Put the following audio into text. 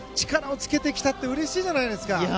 力をつけてきたってうれしいじゃないですか。